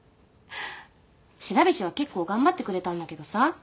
白菱は結構頑張ってくれたんだけどさ